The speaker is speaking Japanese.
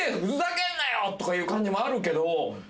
ふざけんなよとかいう感じもあるけど。